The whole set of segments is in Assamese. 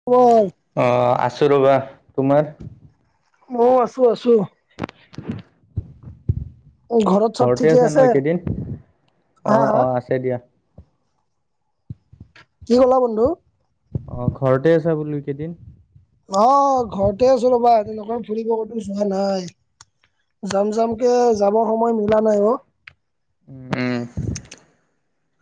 [inaudible] অ' আছো ৰ'বা তোমাৰ? মোও আছো আছো। ঘৰত চব ঘৰতে ঠিকে আছে ন‌' এইকেইদিন? অ' হা হা অ' আছে দিয়া। কি ক'লা বন্ধু? অ' ঘৰতে আছা বুলু এই কেইদিন? অঁ ঘৰতে আছো ৰ'বা, তেনেকুৱা ফুৰিব ক'তো যোৱা নাই। যাম যাম কে যাবৰ সময় মিলা নাই ঔ।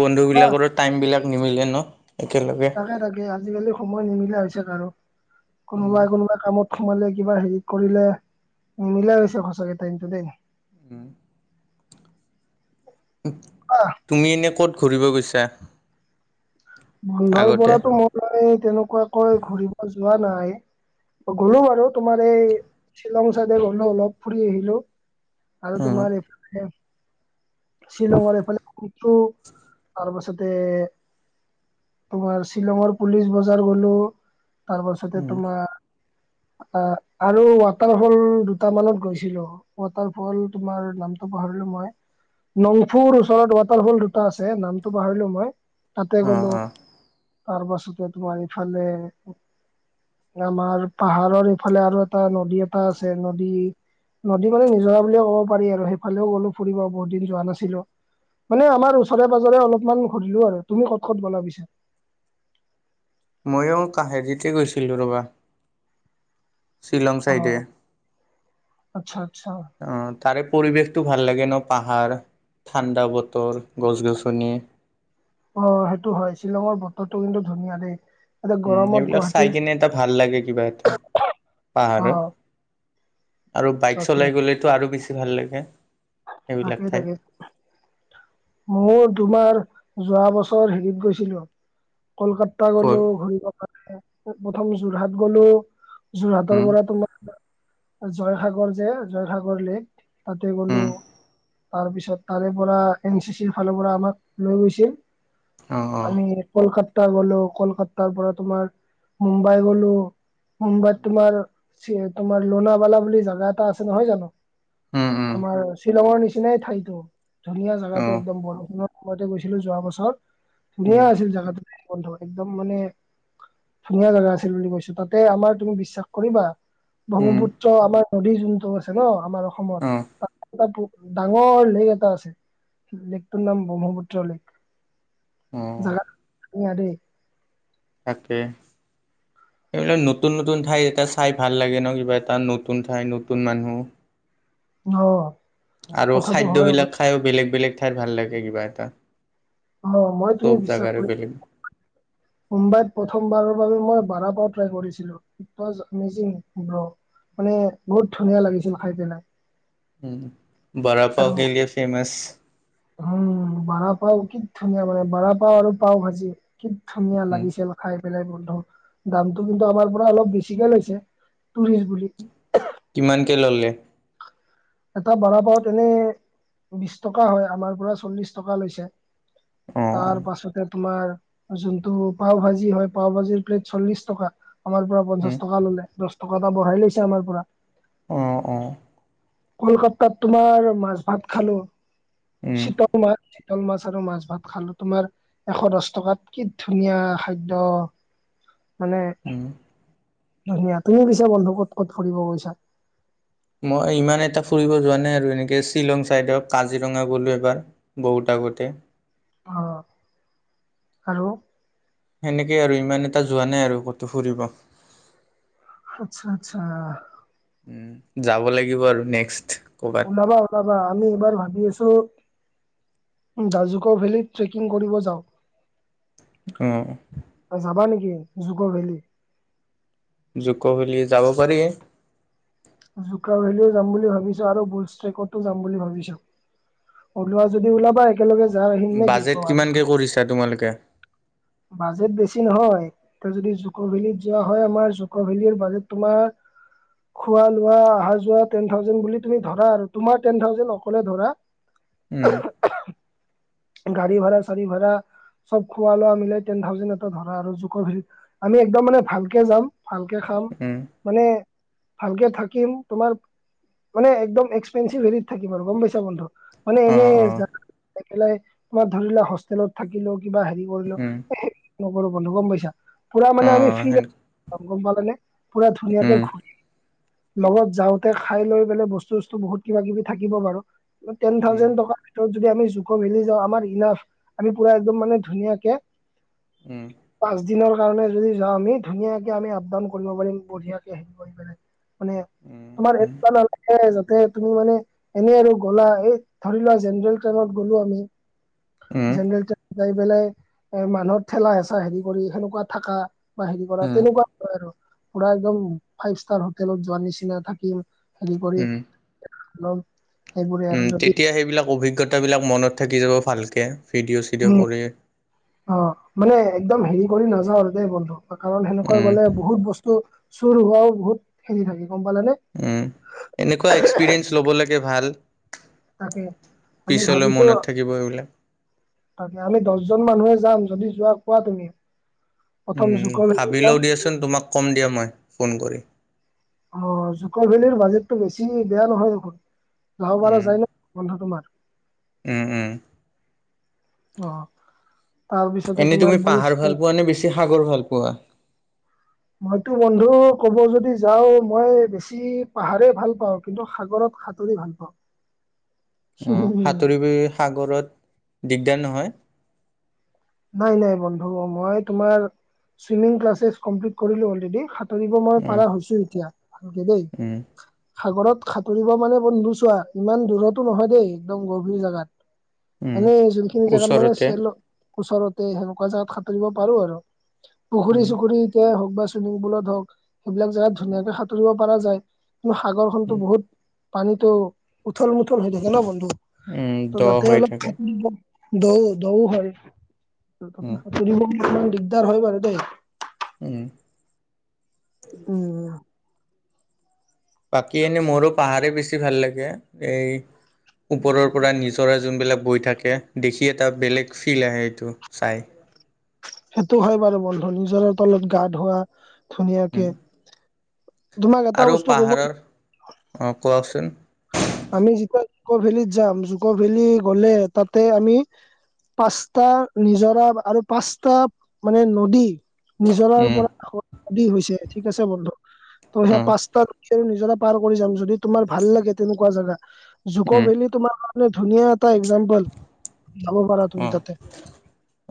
বন্ধু কোৱা বিলাকৰো টাইম বিলাক নিমিলে ন' একেলগে। না‌ তাকে আজিকালি সময় নিমিলা হৈছে কাৰো, উম, কোনোবাই কোনোবাই কামত সোমালে কিবা হেৰি কৰিলে, নিমিলাই হৈ গৈছে সঁচাকে টাইমটো দেই। উম। আহ [unintelligible] তুমি ইনেই ক'ত ঘূৰিব গৈছা? বন্ধৰ আগতে পৰাতো মই তেনেকুৱাকৈ ঘুৰিব যোৱা নাই। গ'লো বাৰু তোমাৰ এই শ্বিলং চাইডে গ'লো অলপ ফুৰি আহিলোঁ। আৰু উম তোমাৰ এইফালে শ্বিলংৰ এইফালে ফুৰিলো, তাৰপাছতে তোমাৰ শ্বিলঙৰ পুলিচ বজাৰ গ'লো তাৰপাছতে উম তোমাৰ আ আৰু ৱাটাৰ ফল দুটা মানত গৈছিলোঁ। ৱাটাৰ ফল তোমাৰ নামটো পাহৰিলো মই। নংফুৰ ওচৰত ৱাটাৰফল দুটা আছে নামটো পাহৰিলো মই, তাতে অ গ'লো। অ তাৰ পাছতে তোমাৰ এইফালে আমাৰ পাহাৰৰ এইফালে আৰু এটা নদী এটা আছে নদী নদী মানে নিজৰা বুলিয়ে ক'ব পাৰি আৰু সেইফালেও গ'লো ফুৰিব বহুত দিন যোৱা নাছিলোঁ। মানে আমাৰ ওচৰে পাজৰে অলপমান ঘূৰিলো আৰু তুমি ক'ত ক'ত গ'লা পি [inaudible] ময়ো কাহাৰিতে গৈছিলোঁ ৰ'বা। শ্বিলং অহ চাইডে আচ্ছা আচ্ছা। অঁ তাৰে পৰিৱেশটো ভাল লাগে ন' পাহাৰ ঠাণ্ডা বতৰ গছ গছনি। অ' সেইটো হয়। শ্বিলঙৰ বতৰটো কিন্তু ধুনীয়া দেই এতিয়া উম গৰমত সেইবিলাক চাই গুৱাহাটীৰ কিনে এটা ভাল লাগে কিবা এটা অ পাহাৰৰ। আৰু বাইক তাকে চলাই গ'লেতো আৰু বেছি ভাল লাগে। সেইবিলাক তাকে তাকে। [inaudible] মোৰ তোমাৰ যোৱা বছৰ হেৰিত গৈছিলোঁ। কলকাত গৈ গলো ঘূৰিব কাৰণে প্ৰথম যোৰহাট গ'লো। উম যোৰহাটৰ পৰা তোমাৰ জয়সাগৰ যে জয়সাগৰ লেক তাতে উম গ'লো। তাৰ পিছত তাৰে পৰা এন চি চিৰ ফালৰ পৰা আমাক লৈ গৈছিল, অ অ আমি কলকাটতা গ'লো কলকাটতাৰ পৰা তোমাৰ মুম্বাই গ'লো। মুম্বাইত উম তোমাৰ চি তোমাৰ লোনাবালা বুলি জাগা এটা আছে, নহয় জানো? উম আমাৰ শ্বিলঙৰ নিচিনাই ঠাইতো, ধুনীয়া অ জাগাটো একদম বৰষুণত মইতো গৈছিলো যোৱা বছৰ, উম ধুনীয়া আছিল জেগাটো বন্ধ একদম মানে ধুনীয়া জেগা আছিল বুলি কৈছো, তাতে আমাৰ তুমি বিশ্বাস কৰিবা উম ব্ৰহ্মপুত্ৰ আমাৰ নদীৰ যোনটো আছে ন' আমাৰ অসম অ এটা বহুত ডাঙৰ লেক এটা আছে, লেকটোৰ নাম ব্ৰহ্মপুত্ৰ লেক। অ [unintelligible] তাকে। এইবিলাক নতুন, নতুন ঠাই এটা চাই ভাল লাগে ন কিবা এটা, নতুন ঠাই নতুন মানুহ। অ'। আৰু কথাটো হয় বাৰু। খাদ্যবিলাক খায়ো বেলেগ, বেলেগ ঠাইত ভাল লাগে কিবা এটা। অ' মই তুমি চব বিশ্বাস জাগাৰে কৰি বেলেগ [inaudible] মুম্বাইত প্ৰথমবাৰৰ বাবে মই বাৰাপাও ট্ৰাই কৰিছিলোঁ। [unintelligible] মানে বহুত ধুনীয়া লাগিছিল খাই পেলাই। উম, আৰু বৰাপাও কেলে ফেমাছ। উম, বৰাপাও কি ধুনীয়া বনাই, বাৰপাও আৰু পাও ভাজি কি ধুনীয়া লাগিছে মা [inaudible] খাই পেলাই বন্ধ, দামটো কিন্তু আমাৰ পৰা অলপ বেছিকে লৈছে টুৰিষ্ট বুলি। কিমানকে ল'লে? এটা বাৰাপাও এনে বিশ টকা হয়, আমাৰ পৰা চল্লিশ টকা লৈছে। অ তাৰ পাছতে তোমাৰ যোনটো পাও ভাজি হয়, পাও ভাজিৰ প্লেট চল্লিশ টকা আমাৰ পৰা পঞ্চাশ টকা ললে, দহ [inaudible] টকা এটা বঢ়াই লৈছে আমাৰ পৰা। অ', অ'। কলকাতাত তোমাৰ মাছ ভাত খালো, উম চীত তো [inaudible] চিতল মাছ আৰু মাছ ভাত খালো তোমাৰ এশ দহ টকাত, কি ধুনীয়া খাদ্য মানে উম ধুনীয়া। তুমিও গৈছা বন্ধু ক'ত ক'ত ফুৰিব গৈছা? মই ইমান এটা ফুৰিব যোৱা নাই আৰু এনেকে শ্বিলং চাইডৰ কাজিৰঙা গ'লো এবাৰ। বহুত আগতে। অ, আৰু? সেনেকে আৰু ইমান এটা যোৱা নাই আৰু ক'তো ফুৰিব। আচ্ছা, আচ্ছা। উম, যাব লাগিব আৰু নেক্সট। ক'বাত ওলাবা ওলাবা, আমি এইবাৰ ভাবি আছো জাজুকৰ ফালে ট্ৰেকিং কৰিব যাওঁ। অ,। যাবা নেকি জুগ ভেলি? জুগ ভেলী যাব পাৰি। জুকা ভেলিও যাম বুলি ভাবিছো আৰু বুলষ্ট্ৰেকতো যাম বুলি ভাবিছো। ওলোৱা যদি ওলাবা একেলগে যায় আহিম নে কি বাজেট কো [inaudible] কিমানকে কৰিছা তোমালোকে? বাজেট বেছি নহয়। এতিয়া যদি জুক ভেলীত যোৱা হয় আমাৰ, জুক ভেলিৰ বাজেট তোমাৰ খোৱা-লোৱা, অহা যোৱা টেন থাউজেনড বুলি তুমি ধৰা আৰু তোমাৰ টেন থাউজেণ্ড অকলে ধৰা উম। গাড়ী ভাড়া, চাৰী ভাড়া চ'ব খোৱা লোৱা মিলাই টেন থাউজেণ্ড এটা ধৰা আৰু জোকভেলী আমি একদম মানে ভালকে যাম, ভালকে খাম, উম, মানে ভালকে থাকিম, তোমাৰ মানে একদম এক্সপেঞ্চি হেৰিত থাকিম আৰু গম পাইছা বন্ধু। মানে অ', এনেই অ', [unintelligible] ধৰিল হোষ্টেলত থাকিলোঁ, কিবা হেৰি কৰিলো উম, [unintelligible] নকৰো বন্ধ গম পাইছা। পুৰা মানে আমি ফ অ', সেন [unintelligible] গম পালে, পুৰা উম, ধুনীয়াকে ঘূৰি [inaudible] লগত যাওঁতে খাই লৈ পেলাই বস্তু-চচস্তু বহুত কিবা কিবি থাকিব বাৰু। টেন উম, থাউজেণ্ড টকা ভিতৰত যদি আমি আকৌ মিলি যাওঁ, আমাৰ ইনা আমি পুৰা একদম মানে ধুনীয়াকে উম', পাঁচ দিনৰ কাৰণে যদি যাওঁ আমি, ধুনীয়াকে আমি আপ ডাউন কৰিব পাৰিম বঢ়িয়াকে হেৰি মানে উম, তোমাৰ উম, এনেকুৱা নালাগে যাতে তুমি মানে এনে আৰু গ'লা, এই ধৰি লোৱা জেনেৰেল ট্ৰেইনত গ'লো আমি। উম, জেনেৰেল ট্ৰেইনত যাই পেলাই, এ' মানুহৰ ঠেলা হেঁচা হেৰি কৰি সেনেকুৱা থাকা বা হেৰি কৰা উম, তেনেকুৱা নহয় আৰু পুৰা একদম ফাইভ ষ্টাৰ হোটেলত যোৱাৰ নিচিনা থাকিম। হেৰি কৰি উম। লম সেইবোৰে আৰু যদি তেতিয়া সেইবিলাক অভিজ্ঞতাবিলাক মনত থাকি যাব ভালকে, ভিডিঅ'-চিডিঅ' উম কৰি অ', মানে একদম হেৰি কৰি নাযাওঁ আৰু দেই বন্ধু। কাৰণ সেনেকৈ গ'লে উম। বহুত বস্তু, চুৰ হোৱাওঁ বহুত হেৰি থাকে গম পালে নে। উম', এনেকুৱা এক্সপিৰিয়েন্ঞ্চ ল'ব লাগে ভাল। তাকে আমি পিছলৈ ভাবিছোঁ মনত থাকিব এইবিলাক। তাকে আমি দহজন মানুহে যাম যদি যোৱা কোৱা তুমি, প্ৰথম জুকৰ ভেলি যাম। তেন্তে তোমাক কম দিয়া মই, ফোন কৰি। অ', জুকৰ ভেলিৰ বাজেতটো বেছি বেয়া নহয় দেখোন, যাব পৰা উম, যায় ন' বন্ধ তোমাৰ। উম', উম', অ', তাৰপিছতে এনেই তোমাৰ তুমি বুল পাহাৰ ষ্টেক ভাল পোৱা নে, বেছি সাগৰ ভাল পোৱা? মইতো বন্ধু ক'ব যদি যাওঁ মই বেছি পাহাৰে ভাল পাওঁ, কিন্তু সাগৰত সাঁতুৰি ভাল পাওঁ। অ', সাতুৰিবি সাগৰত, দিগদাৰ নহয়। নাই নাই বন্ধু মই তোমাৰ, সুইমিং ক্লাছেছ কম্প্লিত কৰিলোঁ অলৰেদি সাত সাতুৰিব মই উম, পাৰা হৈছোঁ এতিয়া, ভালকে দেই। উম, সাগৰত সাঁতুৰিব মানে বন্ধু চোৱা ইমান দূৰতো নহয় দেই, একদম গভীৰ জেগাত। উম, মানে যোনখিনি জেগাত মানে ওচৰতে চেল ওচৰতে সেনেকুৱা জাগাত সাঁতুৰিব পাৰো আৰু উম, পুখুৰী-চুখুৰীত হওঁক বা চুইমিং পুলত হওঁক, সেইবিলাক জেগাত ধুনীয়াকে সাঁতুৰিব পৰা যায়। কি সাগৰ খনতো উম, বহুত পানীটো, উঠল-মুঠল হৈ থাকে ন' বন্ধু। উম, দ ত' তাতে হৈ অলপ থাকে সাতুৰিব দ'- দ' হয়। ত' উম, সাতুৰিব ইমান দিগদাৰ হয় বাৰু দেই। উম', উম', বাকী এনেই মোৰো পাহাৰে বেছি ভাল লাগে এ' ওপৰৰ পৰা নিজৰা যোনবিলাক বৈ থাকে, দেখি এটা বেলেগ ফিল আহে এইটো চাই। সেইটো হয় বাৰু বন্ধু, নিজৰা তলত গা ধোৱা ধুনীয়াকে উম। তোমাক এটা আৰু বস্তু কব পাহাৰৰ অ' কোৱাচোন? আমি যেতিয়া জুকভেলিত যাম জুকভেলি গ'লে তাতে আমি পাঁচটা নিজৰা আৰু পাঁচটা মানে নদী নিজৰাৰ উম পৰা হৈছে ঠিক আছে বন্ধু ত' সেইয়া উম পাঁচটা চ' নিজৰা পাৰ কৰি যাম, যদি তোমাৰ ভাল লাগে। তেনেকুৱা জেগা জুকৰ উম ভেলি তোমাৰ কাৰণে ধুনীয়া এটা এক্সাম্পল। কৰা তুমি অ তাতে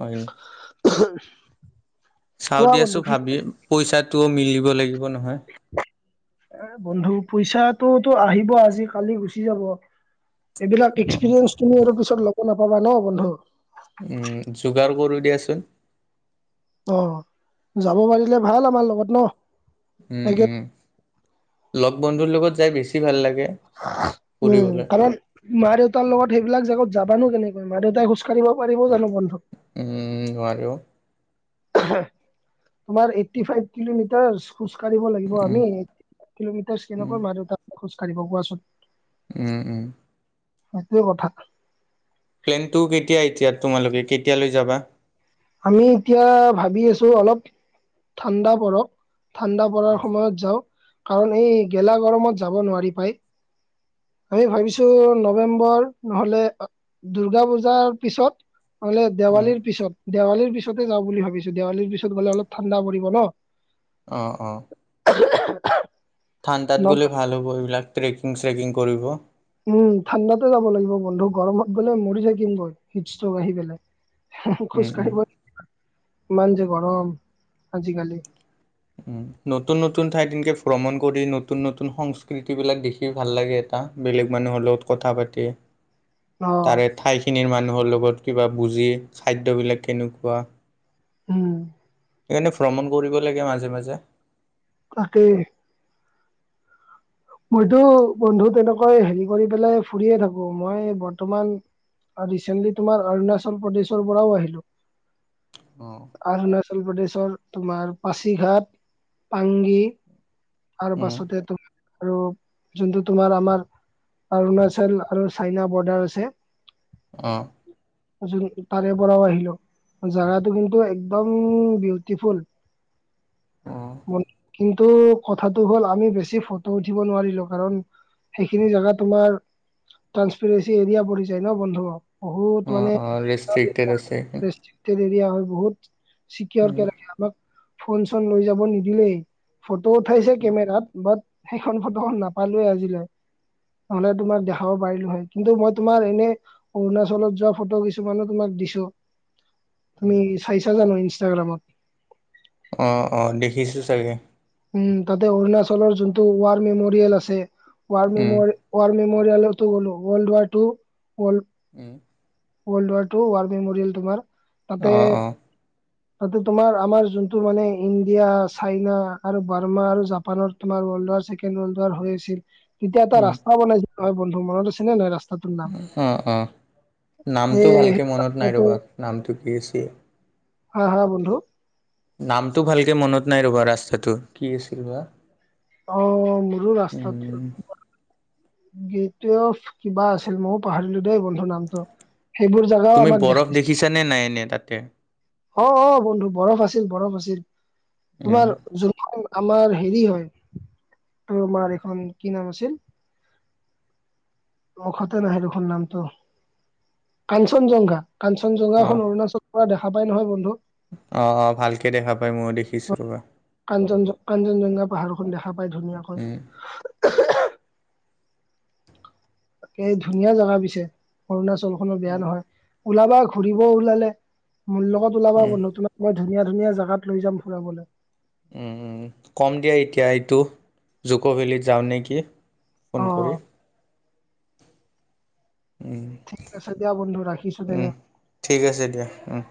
হয় নি চাওঁ কোৱা বন্ধু দিয়াছোন কি ভাবি, কৈছা? পইচাটো মিলিব লাগিব নহয়। এ বন্ধু পইচাটোতো আহিব আজি কালি গুচি যাব। এইবিলাক অ এক্সপেৰিয়েঞ্চ তুমি আৰু পিছত ল'ব নাপাবা ন বন্ধু। উম যোগাৰ কৰো দিয়াচোন। অহ, যাব পাৰিলে ভাল আমাৰ লগত ন? উম একে উম, লগ বন্ধুৰ লগত যাই বেছি ভাল লাগে। উম ফুৰিবলৈ কাৰণ মা - দেউতাৰ লগত সেইবিলাক জাগত যাবানো কেনেকৈ? মা - দেউতাই খোজকাঢ়িব পাৰিবও জানো বন্ধু? উম নোৱাৰেও। অহ, তোমাৰ এইটটি ফাইভ কিলোমিটাৰছ খোজ কঢ়িব লাগিব উম আমি। এক কিলোমিটাৰছ উম কেনেকুৱা মা - দেউতা খোজকাঢ়িব কোৱাচোন? উম উম। সেইটোৱে কথা। প্লেনটো কেতিয়া এতিয়াত তোমালোকে কেতিয়ালৈ যাবা? আমি এতিয়া ভাবি আছো অলপ ঠাণ্ডা পৰক। ঠাণ্ডা পৰাৰ উম সময়ত যাওঁ কাৰণ এই গেলা গৰমত যাব নোৱাৰি ভাই। আমি ভাবিছো নৱেম্বৰ নহ'লে পা দূৰ্গা পূজাৰ পিছত নহলে উম দেৱালীৰ পিছত। দেৱালীৰ পিছতে যাম বুলি ভাবিছো, দেৱালীৰ পিছত গ'লে অলপ ঠাণ্ডা পৰিব ন। অ অ। [unintelligible] ঠাণ্ডাত ন। গ'লে ভাল হ'ব এইবিলাক ট্ৰেকিং, চ্ৰেকিং কৰিব। উম, ঠাণ্ডাতে যাব লাগিব বন্ধু গৰমত গ'লে মৰি থাকিম গৈ হিট ষ্টভ আহি পেলাই। হুহু উম খোজ উম কাঢ়িব, ইমান যে গৰম আজিকালি। উম, নতুন নতুন ঠাইত এনেকে ভ্ৰমণ কৰি নতুন নতুন সংস্কৃতিবিলাক দেখি ভাল লাগে। আহ বেলেগ মানুহৰ লগত কথা পাতি। অ তাৰে ঠাইখিনিৰ মানুহৰ লগত কিবা বুজি খাদ্যবিলাক কেনেকুৱা? উম। সেইকাৰণে ভ্ৰমণ কৰিব লাগে মাজে - মাজে। তাকেই। মইতো বন্ধু তেনেকৈ হেৰি কৰি পেলাই ফুৰিয়ে থাকো, মই বৰ্তমান আৰু ৰিচেণ্টলি তোমাৰ অৰুণাচল প্ৰদেশৰ পৰাও আহিলো। অ। অৰুণাচল প্ৰদেশৰ তোমাৰ পাছিঘাট, পাংগী আৰু উম পাছতে তোক আৰু যোনটো তোমাৰ আমাৰ অৰুণাচল আৰু চাইনা বৰ্ডাৰ আছে। উম। যোন তাৰে পৰাও আহিলো। জাগাটো কিন্তু একদম বিউটিফুল। অ মন কিন্তু কথাটো হ'ল আমি বেছি ফটো উঠিব নোৱাৰিলো কাৰণ সেইখিনি জেগা তোমাৰ ট্ৰান্সপিৰেঞ্চি এৰিয়া পৰি যায় ন বন্ধু, বহুত অ মানে অ [unintelligible] ৰেষ্ট্ৰিক্টেড আছে এইখন। টে এৰিয়া হয় বহুত উম চিকিয়ৰকে ৰাখে আমাক, ফোন - চোন লৈ যাব নিদিলেই। টো উঠাইছে উম কেমেৰাত বাট সেইখন ফটোখন নাপালোৱেই আজিলৈ। নহ'লে তোমাক দেখাব পাৰিলো হয়। কিন্তু মই তোমাৰ এনে অৰুণাচলত যোৱা ফটো কিছুমানো তোমাক দিছো। উম। তুমি চাইছা জানো ইনষ্টাগ্ৰামত? অঁ অঁ দেখিছো চাগে। উম, তাতে অৰুণাচলৰ যোনটো ৱাৰ মেমৰিয়েল আছে ৱাৰ মে উম ৱাৰ মেম'ৰিয়েলৰতো লগলৱাৰতো উম। ৱৰ্ল্ড ৱাৰটো ৱাৰ মেম'ৰিয়েল তোমাৰ তাতে অঁ অঁ। তাতে তোমাৰ আমাৰ যোনটো মানে ইণ্ডিয়া চাইনা আৰু বাৰ্মা আৰু জাপানৰ তোমাৰ ৱৰ্ল্ড ৱাৰ ছেকেন্ড ৱল্ডৱাৰ হৈছিল তেতিয়া এটা উম ৰাস্তা বনাই আছিল নহয় বন্ধু মনত আছে নে নাই? ৰাস্তাটোৰ নাম অঁ অঁ, সেই নামটো সেই ভালকৈ মনত নাই ৰাস্তাটো ৰ'বা নামটো কি আছিল। হা হা বন্ধু? নামটো ভালকে মনত নাই ৰবা ৰাস্তাতো কি আছিল বা। অ, মোৰো ৰাস্তাতো উম, [unintelligible] কিবা আছিল মইয়ো পাহাৰিলো দেই ব ন্ধু নামটো, সেইবোৰ জাগাও তুমি আমাক বৰফ দেখাইছে। দেখিছানে নাই এনে তাতে? অঁ অঁ বন্ধু বৰফ আছিল বৰফ আছিল, উম, তোমাৰ যোন আমাৰ হেৰি হয় তোমাৰ এখন কি নাম আছিল। মুখতে নাহে দেখোন নামটো, কাঞ্চনজংঘা কাঞ্চনজংঘা এখন অ', অৰুণাচল পৰা দেখা পাই নহয় বন্ধু। অ অ, ভালকে দেখা পায় মইয়ো দেখিছো ৰবা। কাঞ্চন কাঞ্চনজংঘা পাহাৰখন দেখা পাই ধুনীয়াকৈ। উম, তাকে ধুনীয়া জাগা পিছে অৰুণাচলখনো বেয়া উম, নহয়, ওলাবা ঘূৰিব ওলালে মোৰ লগত ওলাবা উম, বন্ধু তোমাক মই ধুনীয়া ধুনীয়া জেগাত লৈ যাম ফুৰাবলে। উম, কম দিয়া এইটো জুক' ভেলীত যাওঁ নেকি। ফোন কৰি। অ উম, ঠিক আছে দিয়া বন্ধু ৰাখিছো উম, তেনে। ঠিক আছে দিয়া, উম।